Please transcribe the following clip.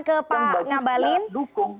ke pak ngabalin